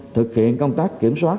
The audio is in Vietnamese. thực hiện công tác kiểm soát